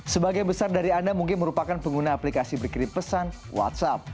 sebagian besar dari anda mungkin merupakan pengguna aplikasi berkirim pesan whatsapp